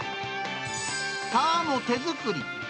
皮も手作り。